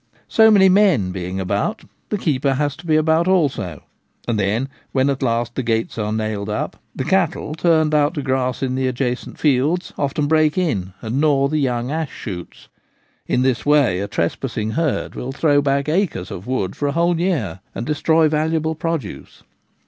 So many men being about, the keeper has to be about also: and then when at last the gates are nailed up, the cattle turned out to grass in the adjacent fields often break in and gnaw the young ash shoots. In this way a trespassing herd will throw back acres of wood for a whole year, and destroy valuable produce.